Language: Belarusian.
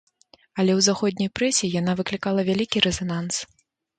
Але ў заходняй прэсе яна выклікала вялікі рэзананс.